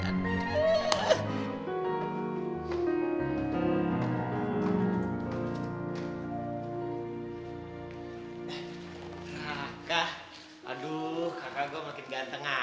raka aduh kakak gue makin ganteng aja